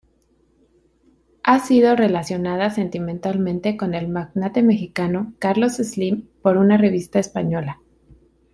Ha sido relacionada sentimentalmente con el magnate mexicano Carlos Slim por una revista española.